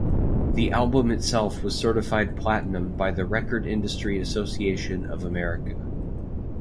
The album itself was certified platinum by the Recording Industry Association of America.